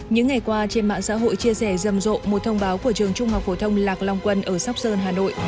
những ngày qua trên mạng xã hội chia sẻ rầm rộ một thông báo của trường trung học phổ thông lạc long quân ở sóc sơn hà nội